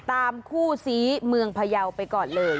คู่ซีเมืองพยาวไปก่อนเลย